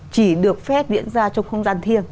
chỉ được phép diễn ra trong không gian thiêng